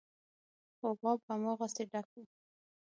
خو غاب هماغسې ډک و.